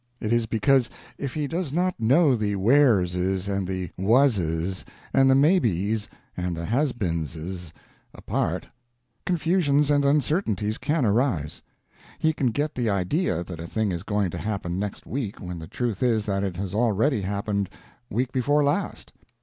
It is because, if he does not know the were's and the was's and the maybe's and the has beens's apart, confusions and uncertainties can arise. He can get the idea that a thing is going to happen next week when the truth is that it has already happened week before last.